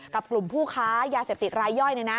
กลุ่มผู้ค้ายาเสพติดรายย่อย